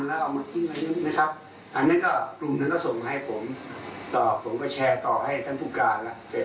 ครับอันนี้ก็คลุมนี่ก็ส่งมาให้ผมผมก็แชร์ตอบให้ทั้งผู้การแล้ว